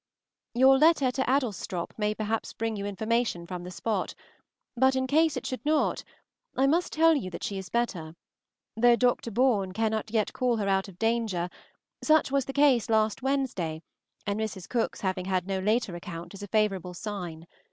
Your letter to Adlestrop may perhaps bring you information from the spot, but in case it should not, I must tell you that she is better; though Dr. Bourne cannot yet call her out of danger; such was the case last Wednesday, and Mrs. Cooke's having had no later account is a favorable sign.